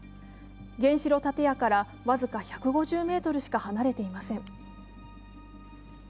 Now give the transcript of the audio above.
原子炉建屋から僅か１５０ｍしか離れていません。